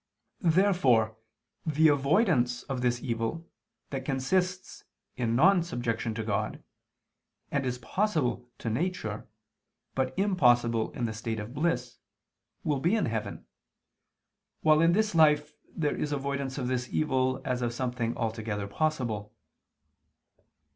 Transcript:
Therefore the avoidance of this evil that consists in non subjection to God, and is possible to nature, but impossible in the state of bliss, will be in heaven; while in this life there is avoidance of this evil as of something altogether possible.